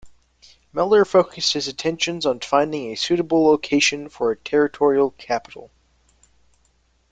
Miller focused his attentions on finding a suitable location for a territorial capital.